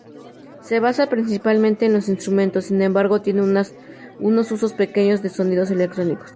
Se basa principalmente en los instrumentos, sin embargo tiene usos pequeñas de sonidos electrónicos.